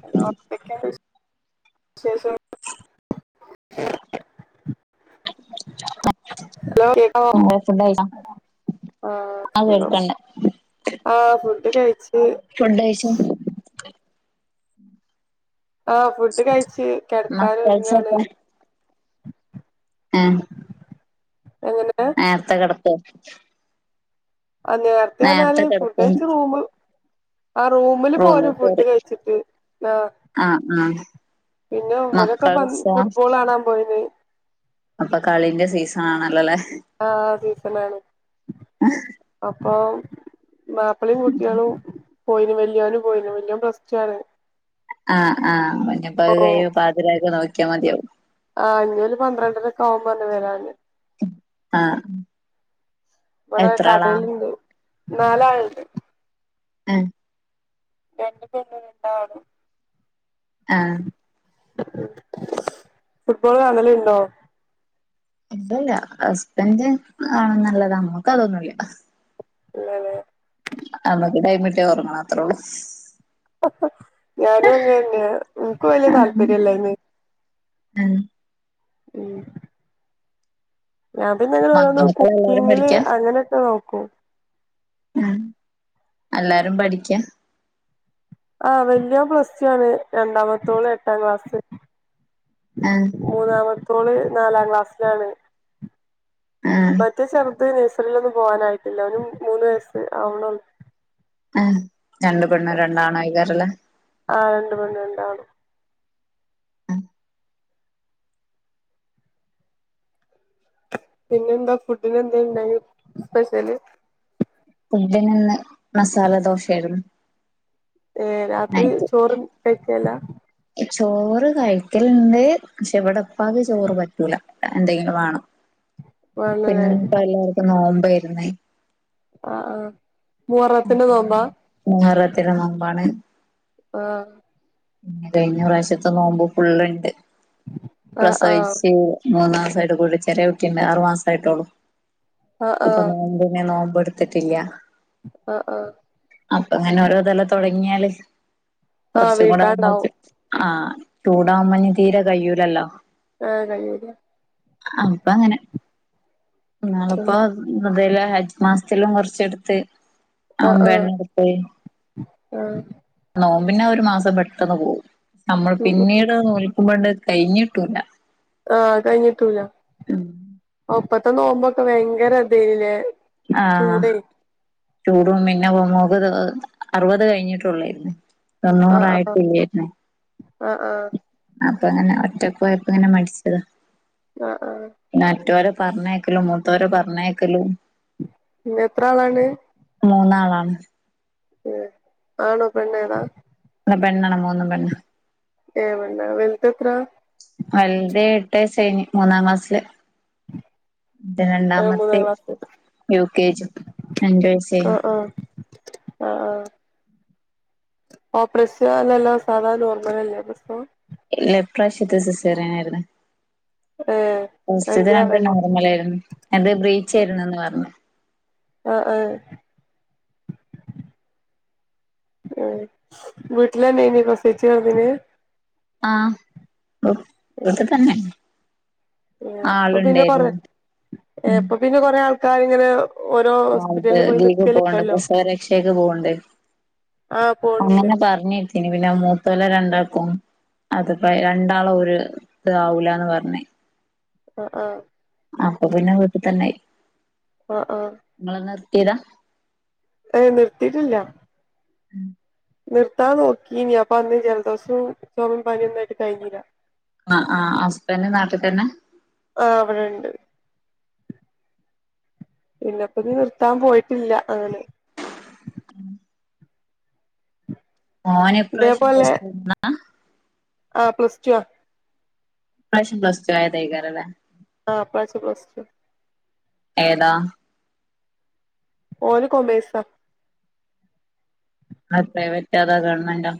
Hello എന്തൊക്കെയുണ്ട് വിശേഷം hello കേക്കാവോ ഫുഡ് കഴിച്ചോ ആഹ് ആ സുഖം കേൾക്കണ്ട് ആഹ് ഫുഡ് കഴിച്ച് ഫുഡ് കഴിച്ചു ആഹ് ഫുഡ് കഴിച്ച് കിടക്കാനൊരുങ്ങാണ് മക്കൾസൊക്കെ ഹേ എങ്ങനെ നേര്ത്തെ കിടക്കെ അ നേരത്തെന്നാല് കിടക്കുന്ന് ഫുഡയ്ച്ച് റൂമ് അ റൂമില് റൂമിൽ പോരും ഫുഡ് കേറി കഴിച്ചിട്ട് അ ആഹ് ആഹ് പിന്നെ ഇവരൊക്കെ പൻ മക്കൾസോ ഫുട്ബോളാണാൻ പോയിന് അപ്പൊ കളിന്റെ സീസണല്ലോലേ? ആ സീസണാണ് അപ്പൊ മാപ്പളീം കുട്ടിയളും പോയിന് വല്യാനും പോയിന് വല്യോൻ പ്ലസ്ടോണ്. അ അ ഇനിപ്പ ത് കയൊപ്പോതിരക്ക് നോക്കിയാ മതിയാവും. ആഹ് ഇനി ഓല് പന്ത്രണ്ടരൊക്കെകുമ്പോ വരാന്. അ ഇവടെ കടല്ണ്ട് നാലൾ ണ്ട് മ് രണ്ട് പെണ്ണും രണ്ടാനും ആ ഫുട്ബോള് കാണല്ണ്ടോ? ഇപ്പ ഇല്ല ഹസ്ബൻഡ് കാണുന്നല്ലാതെ മ്മക്കതൊന്നുല്ല. ഇല്ലലേ? അമ്മക്ക് ടൈമിട്ട്യ ഒർങ്ങണം അത്രള്ളൂ. ഞാനും അങ്ങനെ തന്നെയാ നിക്ക് വല്യ ആഹ് താത്പര്യമില്ലന്ന്. ആഹ് മ്. ഞാൻ പിന്നെങ്ങനൊരോന്ന് മക്കളെല്ലാരും കുക്കിങ്ങില് പഠിക്കാ അങ്ങനൊക്ക നോക്കും. മ് എല്ലാരും പഠിക്ക? ആ വല്യോൻ പ്ലസ്ടുആണ് രണ്ടാമത്തോള് എട്ടാം ക്ലാസ്. ആഹ് മൂന്നാമത്തോള് നാലാം ക്ലാസ്സിലാണ്. ആഹ് മറ്റേ ചേർത് നഴ്സറിലൊന്നും പോവാനായിട്ടില്ല ഓന് മൂന്ന് വയസ്സ് ആവ്ണ ആ രണ്ട് പെണ്ണും രണ്ടാണയ്കാരംലേ? ആഹ് രണ്ട് പെണ്ണും രണ്ടാണും പിന്നെന്താ ഫുഡിനെന്താണ്ടയന് സ്പെഷ്യല്? ഫുഡിനിന്ന് മസാല ദോശായിരുന്നു. ഏ രാത്രി ചോറും കഴിക്കിയേല്ല ചോറ് കഴിക്കലുണ്ട് ക്ഷെ ഇവിടെപ്പാക്ക് ചോറ് പറ്റൂല എന്തെങ്കിലും വാണം. വേണല്ലേ പിന്നെന്ന്പ്പല്ലാവർക്കും നോമ്പയ്രുന്നേ. ആ ആ മുഹറത്തിന്റെ നോമ്പാ? ത്തിന്റെ നോമ്പാണ്. ആ പിന്നെ കഴിഞ്ഞ പ്രാവശ്യത്തെ നോമ്പ് ഫുള്ളുണ്ട് ആഹ് പ്രസവിച്ച് ആഹ് മൂന്നാ സമായിട്ട് കുളിച്ചെറെ വെക്കണ്ട് ആറു മാസമായിട്ടുള്ളൂ ആഹ് ഇപ്പൊ നോമ്പന്നെ നോമ്പ് കൊട്ത്തിട്ടില്ല. ആ ആ. അപ്പൊങ്ങനെ ഓരോതല തൊടങ്ങിയാല് ആഹ് വീട്ടാണ്ടാവും [unintelligible] ആ ചൂടാവുമ്പോ തീരെ കഴൂലല്ലോ. ആ കഴിയൂല. അപ്പൊങ്ങനെ ആഹ് ന്നാളിപ്പോ ദിൽഹിജ് മാസത്തിലും കൊറച്ച്ട്ത്ത്. അമ്പണ്ണട്ത്തു. ആ നോമ്പന്നെരു മാസം പെട്ടെന്ന് പോവും നമ്മള് ഉം ഉം പിന്നീട് നോൽക്കുമ്പോണ്ട് കഴിഞ്ഞിട്ടൂല. ആ കഴിഞ്ഞിട്ടൂല അപ്പത്തെ നോമ്പോക്കെ ഭയങ്കര ഇതേന്ലേ. ആഹ് ചൂടും പിന്നെ അറുപത് അറുപത് കഴിഞ്ഞിട്ടുള്ളായിരുന്നു തൊണ്ണൂറായിട്ടില്ല ആ ആ അപ്പൊ അങ്ങനെ ഒറ്റക്കയപ്പങ്ങനെ മടിച്ചതാ ആ ആ പർഞ്ഞേക്കലും മൂത്തവരെ പർഞ്ഞേക്കലും എത്രയാളാണ് ആ ഉ ആണോ പെണ്ണോ ഏതാ പെണ്ണാണ് മൂന്നും പെണ്ണാ [inaudible] വലുത് ഏട്ട് വയസ്സ് മൂന്നാം ക്ലാസിൽ [inaudible] ൻ്റെ ഏഹ് രണ്ടാമത്തെ മൂന്നാം ക്ലാസ് യു കേ ജി അഞ്ചു വയസായി ആ ആ ഓ പ്രസവം അല്ലല്ലോ സാധാ നോർമൽ അല്ലേ പ്രസവം ഇല്ല ഈ പ്രാവശ്യത്തെ സിസേറിയാനായിരുന്നു ഏഹ് ഫസ്റ്റെത്തെ രണ്ടും അന്ത്യാറല്ലേ നോർമലായിരുന്നു അത് ബ്രീച്ച യിരുന്നു അന്ന് പർഞ്ഞെ ആ ആ വീട്ടിൽ പ്രസവിച്ച് കിടന്നേന് ആ വീട്ടിൽ തന്നെ ആ ഇപ്പൊ പിന്നെ ആളുണ്ടായിരുന്നു കൊറേ ഏ ഇപ്പൊ പിന്നെ കൊറേ ആൾക്കാരിങ്ങനെ ഓരോ ഹോസ്പിറ്റലിൽ പോയി പോകണ്ട് നിക്കല്ണ്ടല്ലോ പ്രസവരക്ഷ പോണ്ട ആഹ് പോണ്ണ്ട് അങ്ങനെ പറഞ്ഞിട്ടീന് പിന്നെ മൂത്തോല്ല രണ്ടാൾക്കും അതപ്പ രണ്ടാളും ഒരു ഇതാവൂലാന്ന് പറഞ്ഞേ ആ ആ അപ്പോ പിന്നെ വീട്ടിൽ തന്നെയായി ആ ആ ഏതാ ഏ നിർത്തിട്ടില്ല [inaudible] നിർത്താ നോക്കിനി അപ്പൊ അന്ന് ജലദോഷും ചൊ മിം പനിന്നൊയിട്ട് കഴിഞ്ഞില്ല ആ ആ ഹസ്ബൻന്റെ നാട്ടിൽ തന്നെ ആ ഇവടെണ്ട് പിന്നെപ്പ നീ നിർത്താൻ പോയിട്ടില്ല അങ്ങനെ ആ ഓനി പ്രാവശ്യം ഇതേപോലെ പ്ലസ് വണ്ണാ ആ പ്ലസ്റ്റടുവാ ഈ പ്രാവശ്യം പസ്ലടു വസ്തു ആയതായിരിക്കുല്ലേ ആ പ്ലസ്ടു ഏതാ ഓൻ കൊമേസാ അ പ്രൈവറ്റ് അതാ ഗവൺമെന്റാ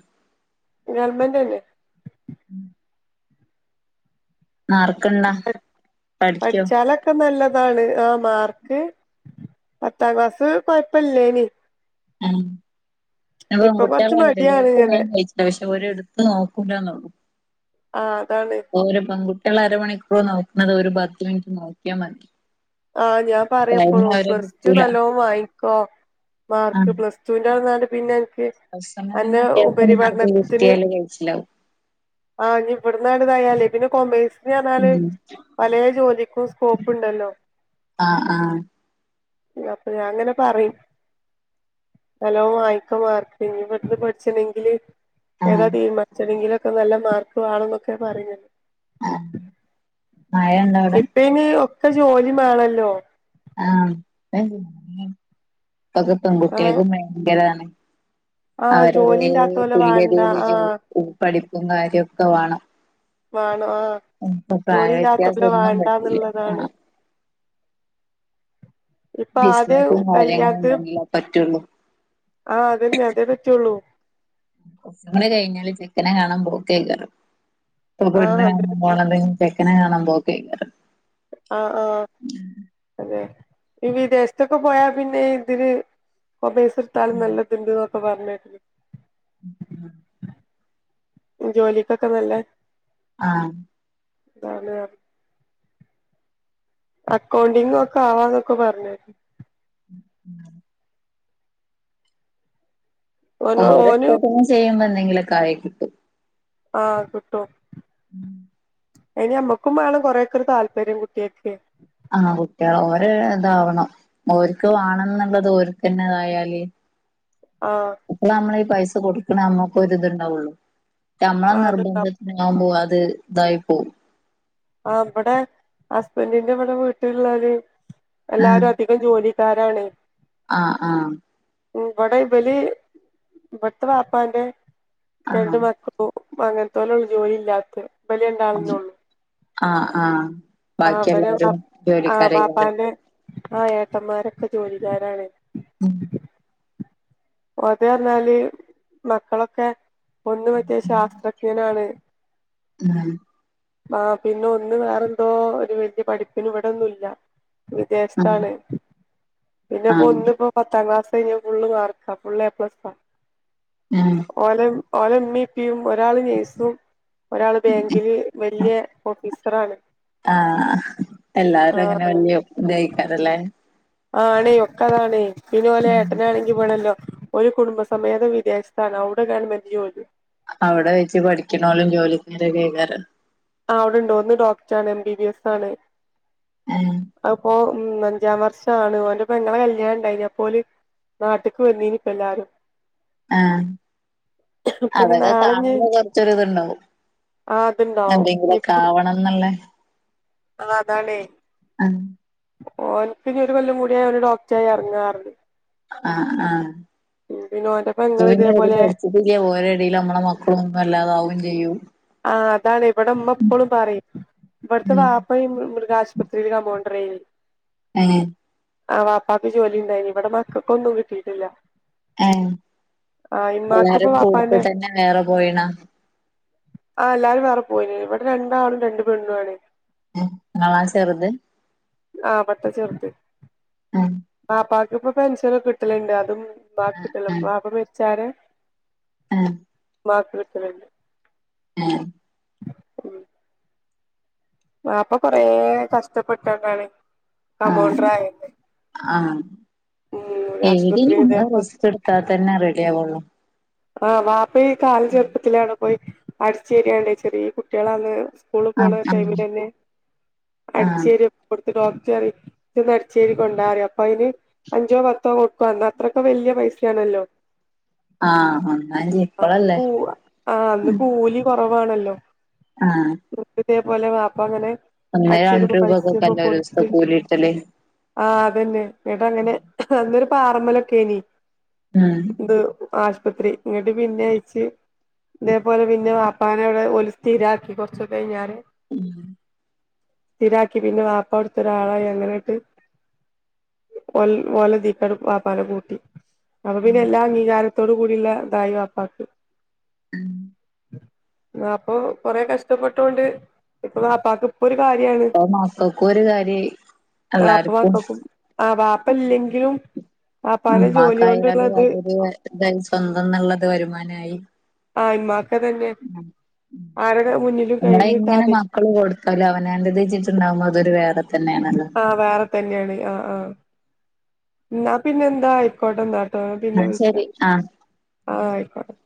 ഗവൺമെൻ്റ് ഉം [inaudible] [unintelligible] പഠിക്കോ പഠിച്ചാലൊക്കെ നല്ല ആണ് ആ മാർക്ക് പത്താം ക്ലാസ്സ് കൊഴപ്പല്ലേനി ഉം അ കൊറച്ച് പെൺകുട്ട്യേളായ ത്യല്ലൊ മടിയാണ് ഓൽക്ക് ഇങ്ങനെ മേം കയ്ച്ചിലാവും [inaudible] [inaudible] ഒരിട്ത്ത് നോക്കൂല്ല ന്നൊള്ളു ആ അതാണ് [inaudible] അരമണിക്കൂറ് നോക്ക്ണത് ഒരു പത്ത് മിനിറ്റ് നോക്ക്യാമതി ആഹ് ഞാൻ പറയ്പ്പളും പ്ലസ് ടു കിട്ടൂല നല്ലോണം വാങ്ങിക്കോ ആ മാർക്ക് പ്ലസ് റ്റുന്റെ ന്നാല് പിന്നെനിക്ക് ഫസ്റ്റ് സെമ്മിന് തന്നെ അന്നെ അത്യാവശ്യം മാർക്ക് ഉപരിപഠനത്തിന് കിട്ടിയാല് കഴിച്ചിലാവും ആഹ് ഇനി ഇവിടുന്നങ്ങ്ട് ഇതായാലെ പിന്നെ കൊമേഴ്സ്ന്ന് ‌ പറഞ്ഞാല് ഉം പലേ ജോലിക്കും സ്കോപ്പ് ഉണ്ടല്ലോ ആഹ് ആഹ് അപ്പൊ ഞാൻ ങ്ങനെ പറയും നല്ലോം വാങ്ങിക്ക് മാർക്ക് ഇനി ഇവിടു പഠിച്ച്ണെങ്കില് ആ ഏതാ തീരുമാനിച്ചതെങ്കിലുംഒക്കെ നല്ല മാർക്ക് വാണം എന്നൊക്കെയ പറഞ്ഞത് മയ ണ്ടോ അവ്ടെ ഇപ്പം ജോലി മേണല്ലോ ആഹ് ഇപ്പ ഏഹ് പെൺകുട്ടിയക്കും ഭയങ്കരാണെ ആഹ് അവരതേ ജോലി ഇല്ലാത്തോലെ വാണ്ട തുല്യതയിൽ ജോ ആഹ് പഠിപ്പും കാര്യക്കെ വാണം വാണം ആഹ് പ്പ ജോലി പ്രായവ്യത്യാസം ഇല്ലാത്തോലെ ഒന്നും പറ്റില്ല വാണ്ടാന്ന്ള്ളതാണ് ആഹ് ഇപ്പൊ ആദ്യ ബിസ്നസും കാര്യങ്ങളും കല്യാണത്തിന് ഒണ്ടങ്കില്ലേ പറ്റുള്ളൂ ആഹ് അതന്നെ അതേ പറ്റുള്ളൂ കുറച്ചും കൂടെ കഴിഞ്ഞാല് ചെക്കനെ കാണാൻ പോക്കയിക്കാരം ഇപ്പൊ പെണ്ണു ആഹ് കാണാൻ അതന്നെ പോണത് ഇനി ചെക്കനെ കാണാൻ പോക്കായിക്കാരം ആഹ് ആഹ് അതെ ഈ വിദേശത്തൊക്കെ പോയാൽ പിന്നെ ഇതില് പ്പ പൈസ എടുത്താലും നല്ലത്ണ്ട് പറഞ്ഞു ഇപ്പ പറഞ്കേട്ട് ഉം ഉം ജോലിക്കൊക്കെ നല്ല ആഹ് അതെയോ അക്കൗണ്ടിങ്ങ് ഒക്കെ ആവാന്നൊക്കെ പറഞ്ഞാരുന്നു ഓന് ഓരോ ഓന് സ്ഥലത്തുനും ചെയ്യുമ്പോ എന്തെങ്കിലുംക്കെ ആയി കിട്ടും ആഹ് ക് ട്ടും ഉം ഇനി അമ്മക്കും വേണം കൊറെയൊക്കെ ഒര് താല്പര്യം കുട്ടിയക്കെ ആഹ് കുട്ടികള് ഓര് ഇതാവണം ഓര്ക്ക് വേണംന്ന്ള്ളത് ഓര്ക്ക് തന്നെ ഇതായല് ആഹ് അപ്പളാ നമ്മളീ പൈസ കൊടുക്കണ ഞമ്മക്ക് ഒര് ഇത്ണ്ടാവൊള്ളു ഞമ്മളെ ആഹ് അത്ണ്ടാവും നിർബന്ധത്തിനാമ്പോ അത് ഇതായി പോവും ആ ഇബടെ ടഹസ്ബന്റിന്റെ ഇവ്ടെ വീട്ടിലുള്ളര് എല്ലാരും അധികം ജോലി ക്കാരാണെ ആഹ് ആഹ് ഇവ്ടെ ഇബലി ഇവിടുത്തെ വാപ്പാന്റെ രണ്ട് ആഹ് മക്കളും പ്പ അങ്ങനത്തോലുള്ളു ജോലി ഇല്ലാത്ത ഇബല് ഉം രണ്ടാളന്നെ ഒള്ളൂ ആഹ് ആഹ് ബാക്കി എല്ലാരും ജോലിക്കാരയിരിക്കുംലെ ആ ഏട്ടൻ മാരൊക്കെ ജോലിക്കാരാണെ ഉം ഓൽദേ പറഞ്ഞാല് മക്കളൊക്കെ ഒന്ന് മറ്റേ ശാസ്ത്രജ്ഞനാണ് ഉം ആ പിന്നെ ഒന്ന് വേറെ എന്തോ ഒരു വലിയ പഠിപ്പിന് ഇവിടെന്നുഇല്ല ഉം വിദേശത്താണ് പിന്നെ ഇപ്പോ ആഹ് ഒന്നിപ്പോ പത്താം ക്ലാസ് കഴിഞ്ഞു ഫുള്ള് മാർക്കാ ഫുൾ എ പ്ലസാ ഉം ഓല് ഓരോ ഇമ്മേം ഇപ്പേം ഒരാള് നേഴ്സും ഒരാള് ബാങ്കില് വല്യ ഓഫീസറാണ് എല്ലാവാരും അങ്ങനെ ആഹ് വല്യ ഇദായിക്കാരല്ലേ ആണേ ഒക്കെതാണേ പിന്നെ ഓലെ ഏട്ടനാണെങ്കി ഇവ്ടെ ഇല്ല ഓര് കുടുംബസമേതം വിദേശത്താണ് അവുടെ ഗവൺമെന്റ് ജോലി അവിടെ വെച്ച് പടിക്കനൊലും ജോലി തിരക്കയികാരം ആ അവിടെണ്ട ഒന്ന് ഡോക്ടറാണ് എം ബി ബസാണ് ഏഹ് അത്പ ഉം അഞ്ചം വർഷാൻ ഓന്റെ പെങ്ങളെ കല്ലിയാണം ഉണ്ടേനി അപ്പോല്.. നാട്ടിക്ക് വന്നീനിപ്പാല്ലാരും ങേ ഹ് ഇനി അതൊക്കെ നാളെഞ്ഞ് കാണുമ്പം കൊറച്ചൊരു ത്ണ്ടാവും.. ആഹ് ഇത്ണ്ടാവും ക്കാവണന്ന്ള്ള അ അതാണ് ഓന്ക്ക് ഒരു കൊല്ലംകൂടി കഴിഞ്ഞ ഡോക്ടറായി ഇറങ്ങറഹ്‌ജെ ഹ് അ ആ പിന്നെ ഓന്റെ പെങ്ങള് അപ്പം ഞ് ഓര് ഇതേപോലെ പഠിച്ചിട്ടില്ലേ ഓലെടേൽ ഞമ്മളെ മക്കള് ഒന്നെല്ലാതാവും ചെയ്യും ആ അതാണ് ഇവിടെ ഇമ്മ എപ്പളും പറിം ഇവിടെത്തെ ഉം വാപ്പയും മൃ മൃഗശുപത്രിലാണ് പോ.. ത്രേം ങേ അ വാപ്പാക് ജോലിണ്ടേനി ഇവിടെ മക്കക്കാന്നും കിട്ടീട്ടില്ല ങേ ഇപ്പോ എല്ലാരും കുടത്ത് വാപ്പാന്റെ തന്നെ വേറെ പൊയിനാ ആ എല്ലാരും വേറെ പോയീണ് ഇവിടെ രണ്ടാനും രണ്ട് പെണ്ണും ആണ് ങേ ങ്ങളാ ചെറുത് ആ ഇവിടെത്ത ചെറുത് ആഹ് ആ ഇപ്പാക്പ്പം പെൻഷനൊക്കെ കിട്ടലെണ്ട് അതും ഇപ്പകിട്ടാലും വാപ്പമരിച്ചാരെ ങേ മ്മാക് കിട്ടലെണ്ട് ങേ ഉം വാപ്പ കൊറേ. കസ്റ്റപ്പെട്ടണ്ട ണ് ആഹ് കമോൺട്രയിന്ന് എല്ലിങ്കിൽ ഇമ്മ റെസ്റ്റ് എടുത്തെങ്കിലും റെഡി ആവുള്ളു ആ വാപ്പേ ഈ കാല ചെറുപ്പത്തിലേ അവ്ടെ പോയി അടിച്ചേരെണ്ട് ചെറീ കുട്ടിലാണ് സ്കൂള് ആഹ് പോണ ആഹ് ടൈമിലെന്നെ ആഹ് അടിച്ചേരി കൊ ഡോ അടിച്ചെരി ഇജോന്ന് അടിച്ചേരി കൊണ്ടാറിം അപ്പയന് അഞ്ചോ പത്തോ കൊടുക്കും അന്നത്രകെ വലിയ പൈ സാണല്ലോ. ആഹ് ഒന്നാം തീ അങ്ങട് ഇപ്പളല്ലേ പോവാ അന്ന് കൂലി കൊറവാണല്ലോ ആ ഹ തെ പോലെ വാപ്പവരെ അടിച്ചേരിപ്പം പൈസക്കേ രൂപക്കൊക്കെല്ലേ ഒരൂസ്ത്തെ കൊടുത്ത് കൂലിട്ടല് ആ അതെന്നെ ഇവിടേങ്ങനെ അന്നൊരു പാറമ്മലോക്കെനി ഉം ത് ആസ്പത്രി ഇങ്ങട്ട് പിന്നെയ്ച്ച ഇതേപോലെ പിന്നെ വാപ്പാനെ ഇവിടെ ഒരു സ്ഥിരാക്കി കുറച്ചൊ കെഴിഞ്ഞാൻ ഉം സ്ഥിരാക്കി പിന്നെ വാപ്പ അവിടെതെ ഒരാളായി അങ്ങനെകെ ഓല് ഓലതീക് വാപ്പാനെ കൂട്ടി അപ്പപ്പിന്നെ എല്ലാ വികാരത്തോടയി വാപ്പാക് അ അപ്പം കൊറേ കസ്റ്റപ്പെട്ടോണ്ട് ഇപ്പ വാപ്പാക്.. ഇപ്പൊ മക്കക്കൊരു കാര്യയി ആ ഇപ്പ മക്കകും ആ വാപ്പല്ലെങ്കിലും വാപ്പാന്റെ ജോലിണ്ട്ള്ളത് എന്തായാലും സ്വന്തന്ന്ള്ളത് വരുമാനായി ആ ഇമ്മാകത് ന്നെണ് ഉം ആരെ ക മുന്നിലും കൈ നീട്ടാതെ താലും അവനാന്റെത് ച്ട്ട് ഇണ്ടാവുമ്പം അതൊരു വേറെ.. തന്നെയാണല്ലോ. ആ വേറെ തന്നെണ് അ ആ ഇന്നാ പിന്നെന്താ ഐകോട്ടെന്നാല് ആാ പിന്നെ എന്നാ [unintelligible] ശരി ആാ ആഹ്. ആയിക്കോട്ടെ